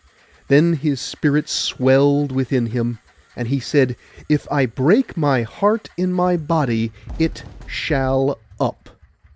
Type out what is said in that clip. Then his spirit swelled within him, and he said, 'If I break my heart in my body, it shall up.